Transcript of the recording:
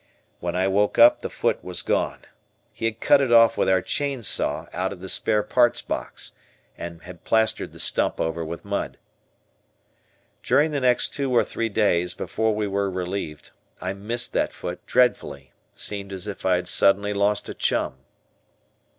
When I woke up the foot was gone. He had cut it off with our chain saw out of the spare parts' box, and had plastered the stump over with mud. During the next two or three days, before we were relieved, I missed that foot dreadfully, seemed as if I had suddenly lost a chum.